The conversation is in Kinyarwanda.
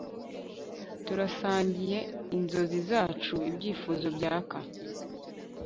Turasangiye inzozi zacu ibyifuzo byaka